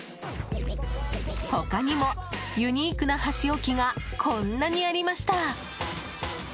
他にもユニークな箸置きがこんなにありました。